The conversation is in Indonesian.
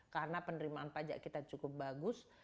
karena penerimaan pajak kita cukup bagus